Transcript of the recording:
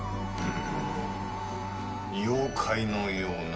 妖怪のような。